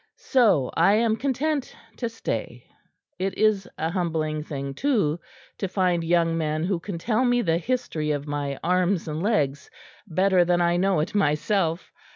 So I am content to stay. It is a humbling thing, too, to find young men who can tell me the history of my arms and legs better than I know it myself.